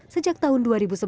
sejak tahun dua ribu sebelas